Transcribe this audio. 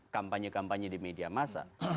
kampanye kampanye di media masa